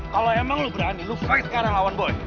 kalau emang lo berani lo five sekarang lawan boy